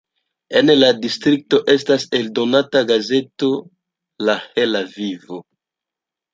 En la distrikto estas eldonata gazeto "La Hela vivo".